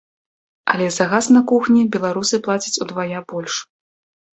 Але за газ на кухні беларусы плацяць удвая больш.